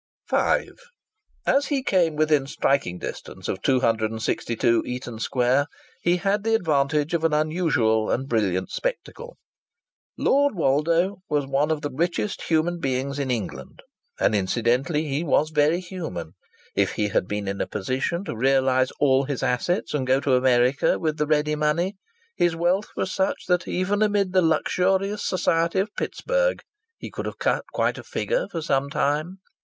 V As he came within striking distance of 262 Eaton Square he had the advantage of an unusual and brilliant spectacle. Lord Woldo was one of the richest human beings in England and incidentally he was very human. If he had been in a position to realize all his assets and go to America with the ready money, his wealth was such that even amid the luxurious society of Pittsburg he could have cut quite a figure for some time.